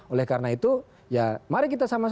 oleh karena itu ya mari kita sampaikan